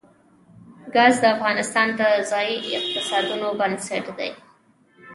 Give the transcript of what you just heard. ګاز د افغانستان د ځایي اقتصادونو بنسټ دی.